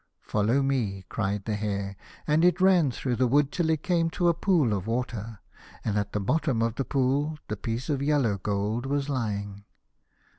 " Follow me," cried the Hare, and it ran through the wood till it came to a pool of water. And at the bottom of the pool the piece of yellow gold was lying.